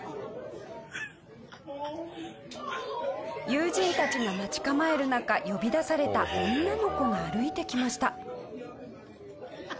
友人たちが待ち構える中呼び出された女の子が歩いてきました。